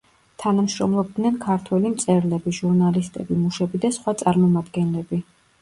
თანამშრომლობდნენ ქართველი მწერლები, ჟურნალისტები, მუშები და სხვა წარმომადგენლები.